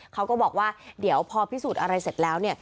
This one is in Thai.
เขาก็บอกว่าเดี๋ยวพอพิสูจน์อะไรเสร็จแล้ว